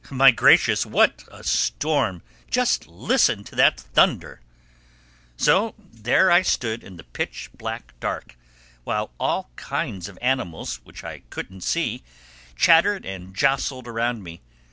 My Gracious, what a storm!—Just listen to that thunder!" So there I stood in the pitch black dark, while all kinds of animals which I couldn't see chattered and jostled around me.